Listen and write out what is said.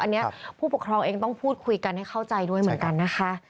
อันนี้ผู้ปกครองเองต้องพูดคุยกันให้เข้าใจด้วยเหมือนกันนะคะ